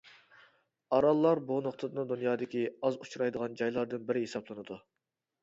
ئاراللار بۇ نۇقتىدىن دۇنيادىكى ئاز ئۇچرايدىغان جايلاردىن بىرى ھېسابلىنىدۇ.